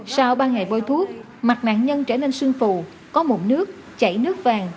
sau ba ngày vô thuốc mặt nạn nhân trở nên sơn phù có mụn nước chảy nước vàng